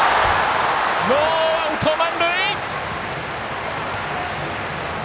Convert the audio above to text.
ノーアウト、満塁！